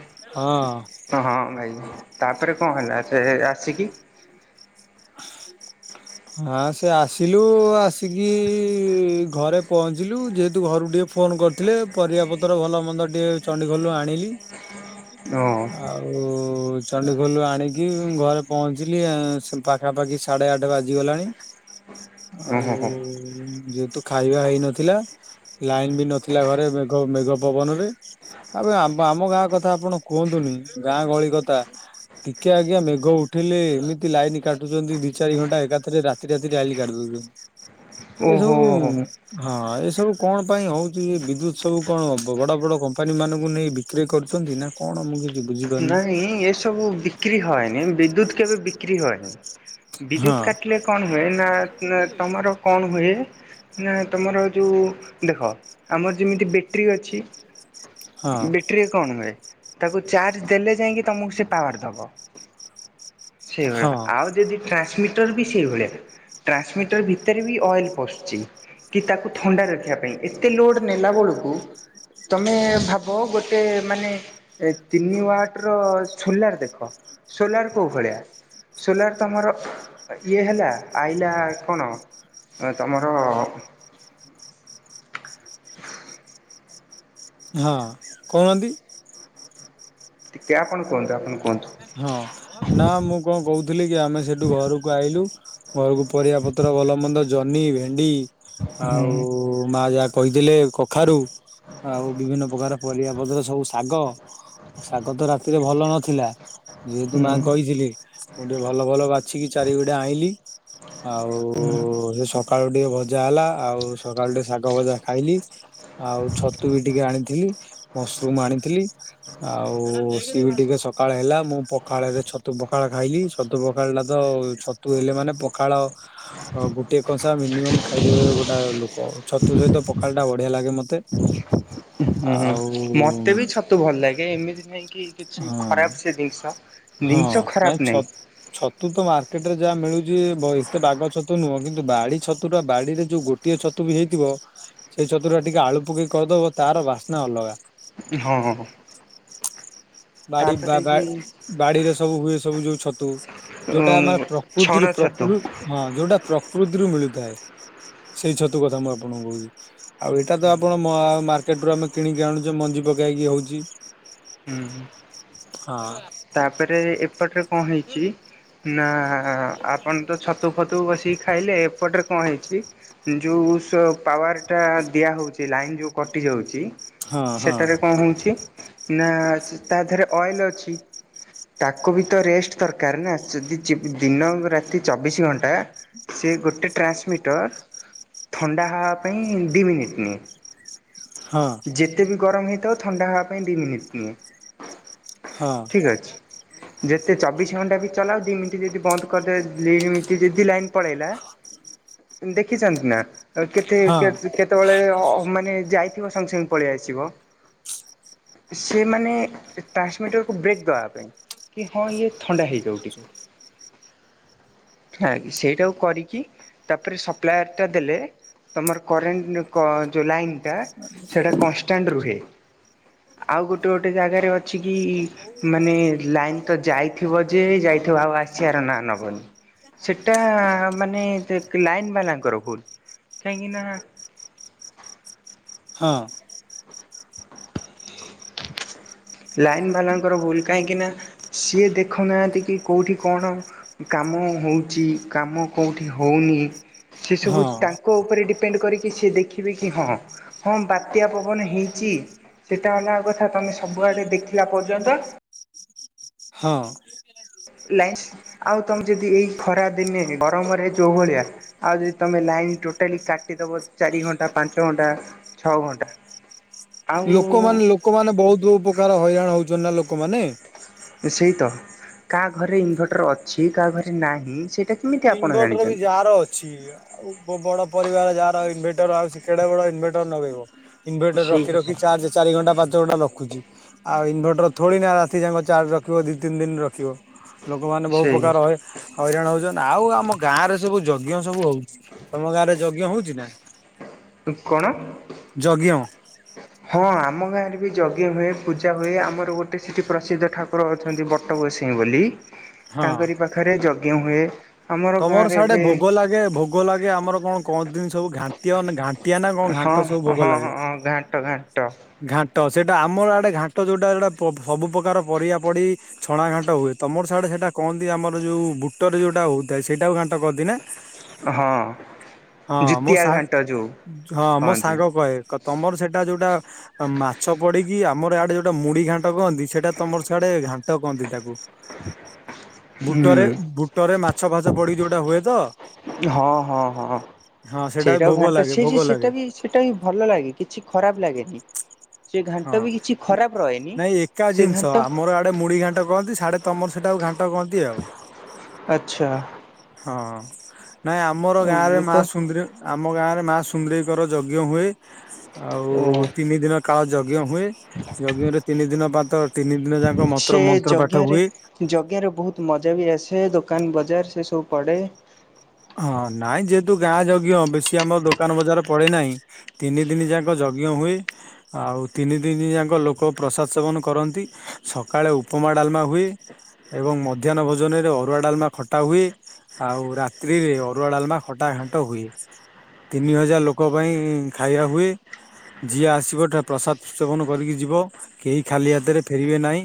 ହଁ। ହଁ ହଁ ଭାଇ ତାପରେ କଣ ହେଲା ସେ ଆସିକି [inaudible] ଆ ସେ ଆସିଲୁ ଆସିକି ଘରେ ପହଞ୍ଚିଲୁ ଯେହେତୁ ଘରକୁ ଟିକେ ଫୋନ କରି ଥିଲେ ପରିବା ପତର ଭଲ ମନ୍ଦ ଟିକେ ଚଣ୍ଡିଖୋଲରୁ ଆଣିଲି। ହଁ ଆଉ ଚଣ୍ଡିଖୋଲୁ ଆଣିକି ଘରେ ପହଞ୍ଚିଲି ଆ ସ ପାଖାପାଖି ସାଢ଼େ ଆଠ ବାଜିଗଲାଣି ଆଉ ଓହୋ ହୋ ଯେହେତୁ ଖାଇବା ହେଇ ନଥିଲା ଲାଇନ ବି ନଥିଲା ଘରେ ମେଘ ମେଘ ପବନ ରେ। ଆବେ ଆମ୍ ଆମ ଗାଁ କଥା ଆପଣ କୁହନ୍ତୁନି ଗାଁ ଗହଳି କଥା। ଟିକେ ଆଜ୍ଞା ମେଘ ଉଠିଲେ ଏମିତି ଲାଇନ କାଟ ଟୁଛନ୍ତି ଦି ଚାରି ଘଣ୍ଟା ଏକାଥରେ ରାତି ରାତି ଲାଇନ କାଟି ଦଉଛନ୍ତି, ଏ ସବୁ ଓହୋ ହଁ ଏ ସବୁ କଣ ପାଇଁ ହଉଛି ଏ ବିଦ୍ୟୁତ ସବୁ କଣ ବଡ ବଡ କମ୍ପାନୀ ମାନଙ୍କୁ ନେଇ ବି କ୍ରି କରୁଛନ୍ତି ନା କଣ ମୁଁ କି ନାଇଁ ଏସବୁ ବିକ୍ରି ହଏନି ବିଦ୍ୟୁତ କେବେ ବିକ୍ରି ହଏନି। ହଁ ବିଦ୍ୟୁତ କାଟିଲେ କଣ ହୁଏ ନା ନା ତମର କଣ ହୁଏ ନା ତମର ଯୋଉ ଦେଖ ଆମର ଯେମିତି ବ୍ୟାଟେରୀ ଅଛି। ହଁ ବେଟରୀରେ କଣ ହୁଏ ତାକୁ ଚା ଦେଲେ ଯାଇକି ତମକୁ ସେ ପାୱାର ଦବ, ସେ ହଁ ଭଳିଆ ଆଉ ଯଦି ଟ୍ରାନ୍ସମି ଟରବି ସେଇଭଳିଆ ଟ୍ରାନ୍ସମିଟର ଭିତରେ ବି ଅଏଲ ପଶଛି। କି ତାକୁ ଥଣ୍ଡା ରଖିବା ପାଇଁ ଏତେ ଲୋଡ ନେଲା ବଳକୁ ତମେ ଭାବ ଗୋଟେ ମାନେ ତିନି ୱାଟ ର ସୋଲାର ଦେଖ, ସୋଲାର କୋଉ ଭଳିଆ। ସୋଲାର ତମର ଇଏ ହେଲା ଆଇଲା କଣ? ଏ ତମର [inaudible] ହଁ କହୁନାହାନ୍ତି? ଟିକିଏ ଆପଣ କୁହନ୍ତୁ? ଆପଣଙ୍କୁ- ହଁ ନା ମୁଁ କଣ କହୁଥିଲି କି ଆମେ ସେଠୁ ଘରକୁ ଆଇଲୁ। ଘରକୁ ପରିବା ପତ୍ର ଭଲ ମନ୍ଦ ଜହ୍ନି, ଭେଣ୍ଡି ହୁଁ ଆଉ ମା ଯା କହିଥିଲେ କଖାରୁ ଆଉ ବିଭିନ୍ନ ପ୍ରକାର ପରିବା ପତ୍ର ସବୁ ଶାଗ। ଶାଗ ତ ରାତିରେ ଭଲ ନଥିଲା। ଯେହେତୁ ହୁଁ ମା କହିଥିଲେ ମୁଁ ଟିକିଏ ଭଲ ଭଲ ବାଛିକି ଚାରିବିଡା ଆଇଁଲିି। ଆଉ ହୁଁ। ଏ ସ ଆଳୁ ଟିକିଏ ଭଜା ହେଲା ଆଉ ସକାଳୁ ଟିକିଏ ଶାଗ ଭଜା ଖାଇଲି। ଆଉ ଛତୁ ବି ଟିକିଏ ଆଣିଥିଲି। ମସୃରୁମ୍ ଆଣିଥିଲି। ଆଉ ସିଏ ବି ଟିକିଏ ସ ପଖାଳ ହେଲା ମୁଁ ପଖାଳରେ ଛତୁ ପଖାଳ ଖାଇଲି। ଛତୁ ପଖାଳ ଟା ତ ଛତୁ ହେଲେ ମାନେ ପଖାଳ ଗୋଟିଏ କଂସା ମିନିମମ୍ ଖାଇଦେବେ ଗୋଟାଏ ଲୋକ। ଛତୁ ସହିତ ପଖାଳ ଟା ବଢିଆ ଲାଗେ ମତେ। [inaudible] ହୁଁ ଆଉ ମତେ ବି ଛତୁ ଭଲ ଲାଗେ ଏମିତି ନାଇଁ କି କିଛି ହଁ ଖରାପ ସେ ଜିନିଷ। ହଁ ଜିନିଷ ନାଇଁ ଖରାପ ଛ ନାହିଁ। ଛତୁ ତ ମାର୍କେଟ ରେ ଯାହା ମିଳୁଚି ବ ଏତେ ବାଗ ଛତୁ ନୁହଁ। କିନ୍ତୁ ବାଡି ଛତୁ ଟା ବାଡିରେ ଯୋଉ ଗୋଟ୍ ଗୋଟିଏ ଛତୁ ବି ହେଇଥିବ ସେଇ ଛତୁଟା ଟିକିଏ ଆଳୁ ପକେଇ କରିଦବ ତାର ବାସ୍ନା ଅଲଗା। ଟି ହଁ ହଁ ବାଡି ବା ତାପରେ -ବା ବି - ବାଡିରେ ସବୁ ହୁଏ ସବୁ ଯୋଉ ଛତୁ ଯୋଉଟା ମାନେ ପ୍ରକୃତିରୁ ଛଣ ପ୍ରକୃ ଛତୁ ହଁ ଯୋଉଟା ପ୍ରକୃତିରୁ ମିଳିଥାଏ। ସେଇ ଛତୁ କଥା ମୁଁ ଆପଣଙ୍କୁ କହୁଚି। ଆଉ ଏଇଟା ତ ଆପଣ ମାର୍କେଟ ରୁ ଆମେ କିଣିକି ଆଣୁଚେ ମଞ୍ଜି ପକାହେଇକି ହୋଉଚି। ହୁଁ ହଁ ତାପରେ ଏପଟରେ କଣ ହେଇଚି ନା ଆପଣ ତ ଛତୁ ଫ ତୁ ବସିକି ଖାଇଲେ ଏପଟରେ କଣ ହେଇଛି। ଯେଉଁ ସ ପାୱାରଟା ଦିଆହୋଉଚି ଲାଇନ୍ ଯୋଉ କଟି ଯାଉଚି ହଁ ହଁ ସେଠାରେ କଣ ହୋଉଛି? ନା ତା ଦେହରେ ଅଏଲ ଅଛି। ତାକୁ ବି ତ ରେଷ୍ଟ ଦରକାର ନା। ଯଦି ଦିନ ରାତି ଚବିଶି ଘଣ୍ଟା ସେ ଗୋଟେ ଟ୍ରାନ୍ସମିଟର ଥଣ୍ଡା ହେବା ପାଇଁ ଦୁଇ ମିନିଟ୍ ନିଏ। ହଁ ଯେତେ ବି ଗରମ ହେଇଥାଉ ଥଣ୍ଡା ହେବା ପାଇଁ ଦି ମିନିଟ୍ ନିଏ। ହଁ ଠିକ୍ ଅଛି। ଯେତେ ଚବିଶ ଘଣ୍ଟା ବି ଚଲାଅ ଦିଇ ମିନିଟ୍ ଯଦି ବନ୍ଦ କରିଦେବେ। ଦି ମିନିଟ୍ ଯଦି ଲାଇନ୍ ପଳେଇଲା ଦେଖିଚନ୍ତି ନା ହଁ କେତେ-କେ-କେତେବେଳେ ଅ ମାନେ ଯାଇଥିବ ସାଙ୍ଗେ ସାଙ୍ଗେ ପଳେଇ ଆସିବ। ସେ ମାନେ ଟ୍ରାନ୍ସମିଟରକୁ ବ୍ରେକ୍ ଦେବା ପାଇଁ। କି ହଁ ଇଏ ଥଣ୍ଡା ହେଇଯାଉ ଟିକିଏ। [inaudible] ହେ ସେଇଟାକୁ କରିକି ତାପରେ ସପ୍ଲାୟାର ଟା ଦେଲେ ତମର କରେଣ୍ଟ କ ଯୋଉ ଲାଇନ୍ ଟା ସେଟା କନଷ୍ଟାଣ୍ଟ ରୁହେ। ଆଉ ଗୋଟେ ଗୋଟେ ଜାଗାରେ ଅଛି କି ମାନେ ଲାଇନ୍ ତ ଯାଇଥିବ ଯେ ଯାଇଥିବ ଆଉ ଆସିଆର ନାଁ ନବନି। ସେଟା ମାନେ [unintelligible] ଲାଇନ୍ ବାଲାଙ୍କର ଭୁଲ୍ କାହିଁକି ନା ହଁ। ଲାଇନ୍ ବାଲାଙ୍କର ଭୁଲ କାହିଁକିନା ସିଏ ଦେଖୁନାହାନ୍ତି କି କଉଠି କଣ। କାମ ହଉଚି କାମ କଉଠି ହଉନି। ସେ ହଁ ସବୁ ହଁ ତାଙ୍କ ଉପରେ ଡିପେଣ୍ଡ କରି କି ସେ ଦେଖିବେ କି ହଁ ହଁ ହଁ ବାତ୍ୟା ପବନ ହେଇଚି ସେଟା ଅଲଗା କଥା ତମେ ସବୁଆଡ଼େ ଦେଖିଲା ପର୍ଯ୍ୟନ୍ତ ହଁ। ଲାଇନସ୍ ଆଉ ତମେ ଯଦି ଏଇ ଖରା ଦିନେ ଗରମରେ ଯୋଉ ଭଳିଆ ଆଉ ଯଦି ତମେ ଲାଇନ ଟୋଟାଲି କାଟିଦବ ଚାରି ଘଣ୍ଟା ପାଞ୍ଚ ଘଣ୍ଟା ଛଅ ଘଣ୍ଟା ଆଉ ଲୋକମାନେ ଲୋକମାନେ ବହୁତୁ ପକାର ହଇରାଣ ହଉଚନ୍ ନା ଲୋକମାନେ। ସେଇ ତ କାହା ଘରେ ଇନଭର୍ଟର ଅଛି କାହା ଘରେ ନାହିଁ ସେ ଇନଭର୍ଟର ବି ଯାହାର ଅଛି ଉପ ବଡ ପରିବାର ଯାହାର ଇନ୍ ଭେଟର୍ ଆଉ କେଡେ ବଡ ଇନ୍ ଭେଟର୍ ନଗେଇବ। ଇନ୍ ଭେଟର୍ ସେଇ ରଖି କଥା। ରଖି ଚାର୍ଜ ଚାରି ଘଣ୍ଟା ପାଞ୍ଚ ଘଣ୍ଟା ରଖୁଚି, ଆଉ ଇନଭର୍ଟର ଥୋଡିନା ରାତି ଯାଙ୍କ ଚାର୍ଜ ରଖିବ ଦି ତିନ୍ ଦିନ୍ ରଖିବ। ଲୋକମାନେ ବହୁ ସେଇ ପକାର ହଇ ହଇରାଣ ହଉଚନ୍। ଆଉ ଆମ ଗାଁରେ ସବୁ ଯଜ୍ଞ ସବୁ ହଉଚି, ତମ ଗାଁରେ ଯଜ୍ଞ ହଉଚି ନା? କଣ? ଯଜ୍ଞ। ହଁ ଆମ ଗାଁରେ ବି ଯଜ୍ଞ ହୁଏ ପୂଜା ହୁଏ ଆମର ଗୋଟେ ସେଠି ପ୍ରସିଦ୍ଧ ଠାକୁର ଅଛନ୍ତି ବ ଟ ଗୋସେଇଁ ବୋଲି ହଁ। ତାଙ୍କରି ପାଖରେ ଯଜ୍ଞ ହୁଏ ଆମର ତମର ଗାଁରେ ସେଆଡେ ଏବେ ଭୋଗ ଲାଗେ ଭୋଗ ଲାଗେ ଆମର କଣ କହଁନ୍ତିନି ସବୁ ଘାଣ୍ଟିଅ ନେ ଘାଣ୍ଟି ଆ ନା କଣ ହଁ ଘାଣ୍ଟ ସବୁ ଭୋଗ ହଁ ଲାଗେ। ହଁ ଘାଣ୍ଟ ଘାଣ୍ଟ ଘାଣ୍ଟ ସେଇଟା ଆମର ଆଡେ ଘାଣ୍ଟ ଯୋଉଟା ଏଉଡା ପ ସବୁ ପକାର ପରିଆ ପଡି ଛଣା ଘାଣ୍ଟ ହୁଏ ତମର ସିଆଡ଼େ ସେଇଟା କହନ୍ତି ଆମର ଯୋଉ ବୁଟରେ ଯୋଉଟା ହଉଥାଏ ସେଇଟାକୁ ଘାଣ୍ଟ କହନ୍ତି ନା? ହଁ ହଁ ମୋ ଜୁତିଆ ସାଙ୍ଗ୍ ଘାଣ୍ଟ ଯୋଉ ହଁ ମୋ କହନ୍ତି ସାଙ୍ଗ କହେ କ ତମର ସେଟା ଯୋଉଟା ମାଛ ପଡିକି ଆମର ଇଆଡେ ଯୋଉଟା ମୁଢ଼ି ଘାଣ୍ଟ କହନ୍ତି ସେଇଟା ତମର ସିଆଡେ ଘାଣ୍ଟ କହନ୍ତି ତାକୁ। ହୁଁ ବୁଟରେ ବୁଟରେ ମାଛ ଫାଛ ପଡିିକି ଯୋଉଟା ହୁଏ ତ? ହଁ, ହଁ, ହଁ, ହଁ ସେଇଟା ଭୋଗ ସେଇଟାକୁ ଘାଣ୍ଟ ଲାଗେ ସେ ଭୋଗ ଯେ ଲାଗେ ସେଇଟା ବି ସେଟା ବି ଭଲ ଲାଗେ କିଛି ଖରାପ ଲାଗେନି। ଏ ଘାଣ୍ଟ ହଁ। ବି କିଛି ଖରାପ ର ନାଇଁ ଏକା ଜିନିଷ ଆମର ଇଆଡେ ମୁଢ଼ି ଘାଣ୍ଟ କହନ୍ତି ସିଆଡ଼େ ତମର ସେଟାକୁ ଘାଣ୍ଟ କହନ୍ତି ଆଉ। ଆଚ୍ଛା। ହଁ ନାଇଁ ଆମର ଗାଁରେ ମୁଁ ମା ତ ସୁନ୍ଦରୀ ଆମ ଗାଁରେ ମା ସୁନ୍ଦରୀକର ଯଜ୍ଞ ହୁଏ ଆଉ ଓ ତିନି ଦିନ କାଳ ଯ ଜ୍ଞ ହୁଏ ଯଜ୍ଞରେ ତିନି ଦିନ ପାଦ ତିନି ଦିନ ଯାକ ସେ ମନ୍ତ୍ର ମନ୍ତ୍ର ପାଠ ଯଜ୍ଞରେ ହୁଏ। ଯଜ୍ଞରେ ବହୁତ୍ ମଜା ବି ଆସେ ଦୋକାନ ବଜାର ସେ ସବୁ ପଡ଼େ। ହଁ ନାଇଁ ଯେହେତୁ ଗାଁ ଯଜ୍ଞ ବେଶୀ ଆମର ଦୋକାନ ବଜାର ପଡେ ନାହିଁ। ତିନି ଦିନି ଯାକ ଯଜ୍ଞ ହୁଏ। ଆଉ ତିନି ଦିନି ଯାଙ୍କ ଲୋକ ପ୍ରସାଦ ସେବନ କରନ୍ତି, ସକାଳେ ଉପମା ଡାଲମା ହୁଏ। ଏବଂ ମଧ୍ୟାହ୍ନ ଭୋଜନରେ ଅରୁଆ ଡାଲମା ଖଟା ହୁଏ, ଆଉ ରା ତ୍ରିରେ ଅରୁଆ ଡାଲମା ଖଟା ଘାଣ୍ଟ ହୁଏ। ତିନି ହଜାର ଲୋକ ପାଇଁ ଖାଇବା ହୁଏ। ଯିଏ ଆସିବ ଟେ ପ୍ରସାଦ ସେବନ କରିକି ଯିବ କେହି ଖାଲି ହାତରେ ଫେରିବେ ନାହିଁ।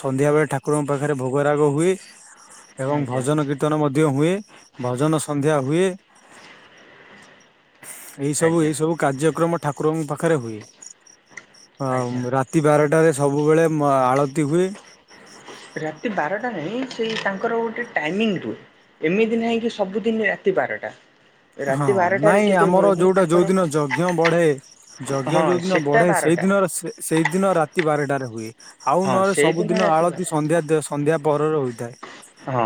ସନ୍ଧ୍ୟା ବେଳେ ଠାକୁରଙ୍କ ପାଖରେ ଭୋଗରାଗ ହୁଏ ଏବଂ ଆଜ୍ଞା ଭଜନ କୀର୍ତ୍ତନ ମଧ୍ୟ ହୁଏ। ଭଜନ ସନ୍ଧ୍ୟା ହୁଏ। ଏଇ ସବୁ ଆଜ୍ଞା ଏଇ ସବୁ କାର୍ଯ୍ୟକ୍ରମ ଠାକୁରଙ୍କ ପାଖରେ ହୁଏ। ଆଜ୍ଞା ହଁ ରାତି ବାରଟାରେ ସବୁବେଳେ ମ ଆଳତି ହୁଏ। ରାତି ବାରଟାରେ ହିଁ ସେଇ ତାଙ୍କର ଗୋଟେ ଟାଇମିଙ୍ଗ ରୁହେ। ଏମିତି ନାହିଁ କି ସବୁଦିନ ରାତି ବାରଟା। ହଁ ରାତି ବାରଟାରେ ନାଇଁ କେବେ ଆମର ହୁଏନି ଯୋଉଟା ତାଙ୍କର ଯୋଉଦିନ ଯଜ୍ଞ ବଢେ ଯଜ୍ଞ ହଁ ଯୋଉ ଦିନ ସେଟା ବଢେ ସେଇ ବାରଟା ଦିନର ସେ ସେଇଦିନ ରାତି ବାରଟାରେ ହୁଏ, ଆଉ ହଁ ନହଲେ ସବୁ ସେଇଦିନ ଦିନ ରାତି ବାର ଆଳତି ସନ୍ଧ୍ୟା ଦେ ସନ୍ଧ୍ୟା ପହରରେ ହୋଇଥାଏ। ହଁ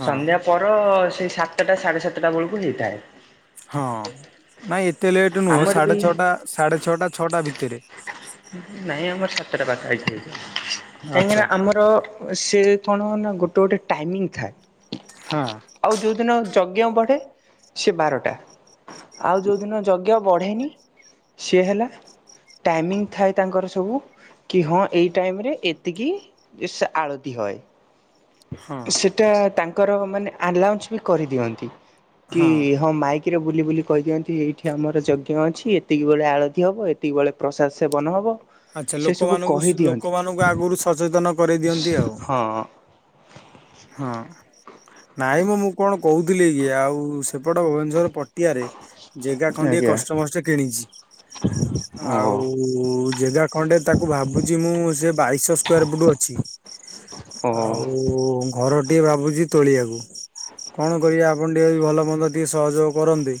ହଁ। ସନ୍ଧ୍ୟା ପହର ସେଇ ସାତଟା ସାଢେ ସାତଟା ବେଳକୁ ହେଇଥାଏ। ହଁ ନାଇଁ ଏତେ ଲେଟ୍ ନୁହଁ ଆମର ସାଢେ ବି ଛଅଟା ସାଢେ ଛଅଟା ଛଅଟା ଭିତରେ। ନାଇଁ ଆମର ସାତଟା ପାଖା ପାଖି ହେଇଯାଏ, ଆଚ୍ଛା କାହିଁକିନା ଆମର ସେ କଣ ନା ଗୋଟେ ଗୋଟେ ଟାଇମିଙ୍ଗ ଥାଏ। ହଁ। ଆଉ ଯୋଉଦିନ ଯଜ୍ଞ ବଢେ ସେ ବାରଟା ଆଉ ଯୋଉଦିନ ଯଜ୍ଞ ବଢ଼େନି ସିଏ ହେଲା ଟାଇମିଙ୍ଗ୍। ଥାଏ ତାଙ୍କର ସବୁ କି ହଁ ଏଇ ଟାଇମରେ ଏତିକି ସେ ଆଳତି ହଏ। ହଁ ସେଟା ତାଙ୍କର ମାନେ ଆଲାଉନ୍ସ ବି କରିଦିଅନ୍ତି କି ହଁ ମାଇକ୍ କୀରେ ବୁଲି-ବୁଲି କହିଛନ୍ତି ଏଇଠି ଆମର ଯଜ୍ଞ ଅଛି ଏତିକିି ବେଳେ ଆଳତିୀ ହେବ ଏତିକିି ବେଳେ ପ୍ରସାଦ ସେବନ ହେବ। ଆଚ୍ଛା ସେ ସବୁ ଲୋକମାନଙ୍କୁ ସୁ କହି ଲୋକମାନଙ୍କୁ ଦିଅନ୍ତି ଆଗରୁ ସଚେତନ କରେଇ ଦିଅନ୍ତି ଆଉ ହଁ। ହଁ ନାଇଁ ମ୍ ମୁଁ କଣ କହୁଥିଲି ଆଉ ସେପଟ ଭୁବନେଶ୍ଵର୍ ପଟିଆରେ ଜେଗା ଖଣ୍ଡିଏ ଆଜ୍ଞା କଷ୍ଟମଷ୍ଟେ କିଣିଛି ଓହୋ ଆଉ ଜେଗା ଖଣ୍ଡେ ତାକୁ ଭାବୁଛି ମୁଁ ସେ ବାଇଶ୍ ସ୍କୋୟାର୍ ଫୁଟ୍ ଅଛି। ଓହୋ ଆଉ ଘର ଟି ଭାବୁଛି ତୋଳିବା ଆକୁ। କଣ କରିବା ଆପଣ ଟିକେ ବି ଭଲ ମନ୍ଦ ଟିକେ ସହଯୋଗ କରନ୍ତେ।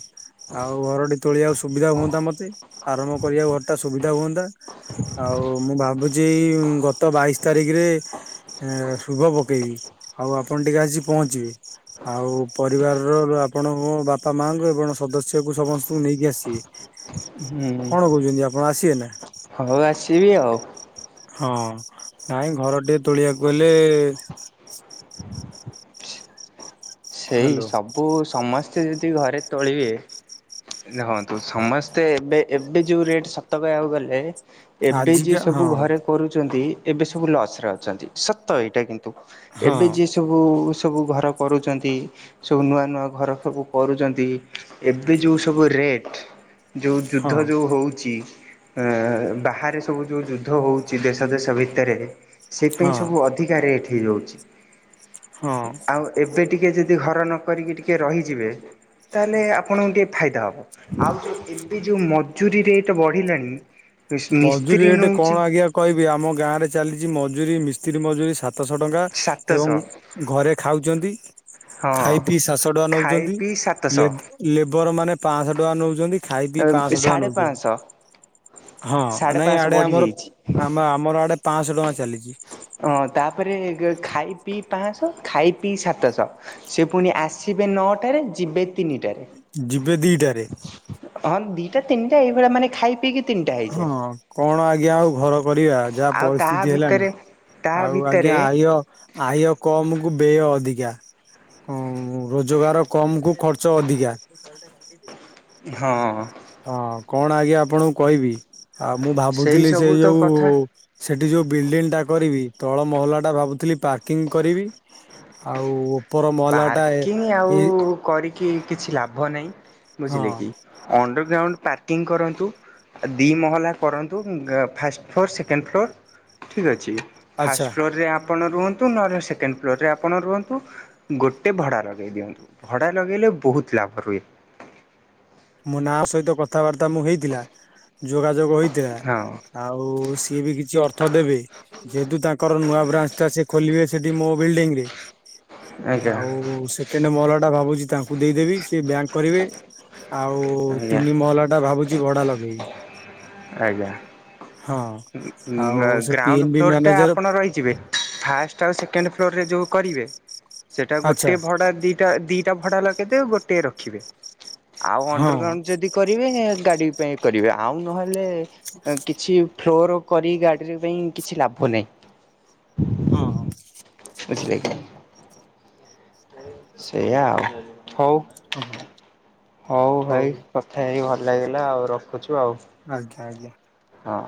ଆଉ ଘର ଟି ତୋଳି ବାକୁ ସୁବିଧା ହୁଅନ୍ତା ମତେ ଆରମ୍ଭ କରିବାକୁ ଘର ଟା ସୁବିଧା ହୁଅନ୍ତା। ଆଉ ମୁଁ ଭାବୁଛି ଗତ ବାଇଶି ତାରିଖ ରେ ଶୁଭ ପକେଇବି ଆଉ ଆପଣ ଟିକେ ଆସି ପହଞ୍ଚିବେ। ଆଉ ପରିବାର ର ଆପଣଙ୍କ ବାପା ମାଙ୍କୁ ଏବଂ ସଦସ୍ୟ କୁ ସମସ୍ତଙ୍କୁ ନେଇକି ଆସିବେ। ହୁଁ କଣ କହୁଛନ୍ତି ଆପଣ ଆସିବେ ନାଁ। ହଉ ଆସିବି ଆଉ। ହଁ ନାଇଁ ଘର ଟିଏ ତୋଳି ବାକୁ ହେଲେ। ସେଇ ହ୍ୟାଲୋ ସବୁ ସମସ୍ତେ ଯଦି ଘରେ ତୋଳିବେ ରହନ୍ତୁ ସମସ୍ତେ ଏବେ-ଏବେ ଯୋଉ ରେଟ୍ ସତ କହିବାକୁ ଗଲେ ଏବେ ଯିଏ ଆଜିକା ସବୁ ହଁ ଘରେ କରୁଛନ୍ତି ଏବେ ସବୁ ଲଚ୍ ରେ ଅଛନ୍ତି ସତ ଏଇଟା କିନ୍ତୁ ହଁ ଏବେ ଯିଏ ଏବେ ସବୁ ଘର କରୁଛନ୍ତି ସବୁ ନୂଆ-ନୂଆ ଘର ସବୁ କରୁଛନ୍ତି। ଏବେ ଯୋଉ ସବୁ ରେଟ୍ ଯୋଉ ଯୁଦ୍ଧ ହଁ ଯୋଉ ହଉଛି। ବାହାରେ ସବୁ ଯୋଉ ଯୁଦ୍ଧ ହଉଛି ଦେଶ-ଦେଶ ଭିତରେ ସେଇଥିପାଇଁ ହଁ ସବୁ ଅଧିକା ରେଟ୍ ହେଇଯାଉଛି ହଁ। ଆଉ ଏବେ। ଟିକେ ଯଦି ଘର ନ କରିକି ଟିକେ ରହିଯିବେ ତା ହେଲେ ଆପଣଙ୍କୁ ଟିକିେ ଫାଇଦା ହବ। ଆଉ ଯୋଉ ଏବେ ଯୋଉ ମଜୁୁରୀ ରେଟ୍ ବଢ଼ିଲାଣି। ମଜୁରୀ ରେଟ୍ କଣ ଆଜ୍ଞା କହିବି ଆମ ଗାଁ ରେ ଚାଲିଛି ମଜୁୁରୀ ମିସ୍ତ୍ରୀ ମଜୁରୀ ସା ତଶହ ଟଙ୍କା ଏବଂ ସାତଶହ ଘରେ ଖାଉଚନ୍ତି। ହଁ ଖାଇ ପିଇକି ସାତଶହ ଟଙ୍କା ଖାଇ ନଉଛନ୍ତି ପିଇ ସାତଶହ ଲେବ ଲେବର୍ ମାନେ ପାଁଶହ ଟଙ୍କା ନଉଚନ୍ତି। ଖାଇ ପିଇ ପାଁଶହ ଟଙ୍କା ସାଢ଼େ ନଉଚନ୍ତି। ପାଞ୍ଚଶହ ହଁ ସାଢ଼େ ନାଇଁ ପାଞ୍ଚଶହ ଆଡ଼େ ଆମର ବଢ଼ିଯାଇଛି। ଆମ ଆମର ଆଡ଼େ ପାଁଶହ ଟଙ୍କା ଚାଲିଛି। ହଁ ତା ପରେ ଖାଇ ପିଇ ପାଁଶହ ଖାଇ ପିଇ ସାତଶହ। ସିଏ ପୁଣି ଆସିବେ ନଅଟାରେ ଯିବେ ତିନିଟାରେ। ଯିବେ ଦିଟାରେ ହଁ ଦିଟା ତିନିଟା ଏଇ ଭଳିଆ ମାନେ ଖାଇ ପିଇକି ତିନିଟା ହଁ ହେଇଯାଏ। କଣ ଆଜ୍ଞା ଆଉ ଘର କରିବା ଯାହା ଆଉ ତା ପରିସ୍ଥିତି ହେଲାଣି ଭିତରେ ତା ଆଉ ଆଜ୍ଞା ଭିତରେ ଆଇ ୟ ଆୟ କମ୍ କୁ ବେୟ ଅଧିକା। ଅଁ ରୋଜଗାର କମ୍ କୁ ଖର୍ଚ୍ଚ ଅଧିକା। [inaudible] ହଁ। ହଁ କଣ ଆଜ୍ଞା ଆପଣଙ୍କୁ କହିବି ଆ ମୁଁ ସେଇ ଭାବୁଥିଲି ସେ ସବୁ ତ ଯୋଉ କଥା। ସେଠି ଯୋଉ ବିଲ୍ଡିଲ ଟା କରିବି ତଳ ମହଲାଟା ଭାବୁଥିଲି ପାର୍କିଂ କରିବି। ଆଉ ଓପର ମହଲାଟା ଏ ପାର୍କିଂ ଆଉ ଏଇ କରିକି କିଛି ଲାଭ ନାହିଁ ହଁ ବୁଝିଲେ କି ଅଣ୍ଡର ଗ୍ରାଉଣ୍ଡ ପାର୍କିଂ କରନ୍ତୁ। ଦି ମହଲା କରନ୍ତୁ ଫାଷ୍ଟ୍ ଫ୍ଲୋର ସେକେଣ୍ଡ ଫ୍ଲୋର୍ ଠିକ୍ ଅଛି। ଆଚ୍ଛା ଫାଷ୍ଟ୍ ଫ୍ଲୋର୍ ରେ ଆପଣ ରୁହନ୍ତୁ ନ ହେଲେ ସେକେଣ୍ଡ ଫ୍ଲୋର୍ ରେ ଆପଣ ରୁହନ୍ତୁ। ଗୋଟେ ଭଡ଼ା ଲଗେଇ ଦିଅନ୍ତୁ ଭଡ଼ା ଲଗେଇଲେ ବୋହୁତ ଲାଭ ରୁହେ। ମୋ ନାଁ ସହିତ କଥାବାର୍ତ୍ତା ମୁଁ ହେଇଥିଲା ଯୋଗାଯୋଗ ହେଇଥିଲା। ହଁ। ଆଉ ସିଏ ବି କିଛି ଅର୍ଥ ଦେବେ। ଯେହେତୁ ତାଙ୍କର ନୂଆ ବ୍ରାଞ୍ଚ୍ ଟା ସେ ଖୋଲିବେ ସେଠି ମୋ ବିଲ୍ଡିଂ ରେ। ଆଜ୍ଞା ଆଉ ସେକେଣ୍ଡ ମହଲା ଟା ଭାବୁଛି ତାଙ୍କୁ ଦେଇ ଦେବି ସିଏ ବ୍ୟାଙ୍କ କରିବେ। ଆଉ ଆଜ୍ଞା ତିନି ମହଲାଟା ଭାବୁଛି ଭଡ଼ା ଲଗେଇବି। ଆଜ୍ଞା ହଁ ଆଉ ଆ ସେ ଗ୍ରାଉଣ୍ଡ ପିଏନବି ଫ୍ଲୋର୍ ଟା ମ୍ୟାନେଜର ଆପଣ ରହିଯିବେ। ଫାଷ୍ଟ ଆଉ ସେକେଣ୍ଡ ଫ୍ଲୋରରେ ଯୋଉ କରିବେ ସେଟା ଆଚ୍ଛା ଗୋଟେ ଭଡ଼ା ଦି ଟା ଦିଟା ଭଡ଼ା ଲଗେଇଦେବେ ଗୋଟିଏ ରଖିବେ ଆଉ ହଁ ଅଣ୍ଡରଗ୍ରାଉଣ୍ଡ ଯଦି କରିବେ ଗାଡ଼ି ପାଇଁ କରିବେ ଆଉ ନହେଲେ ଏ କିଛି ଫ୍ଲୋର କରି ଗାଡ଼ିରେ ପାଇଁ କିଛି ଲାଭ ନାହିଁ। ହଁ ହଁ। ବୁଝିଲେ କି? ସେୟା ଆଉ ହୋଉ। ଓହୋ। ହୋଉ ଭାଇ କଥା ହେଇ ଭଲ ଲାଗିଲା ଆଉ ରଖୁଚୁ ଆଉ। ଆଜ୍ଞା ଆଜ୍ଞା। ହଁ।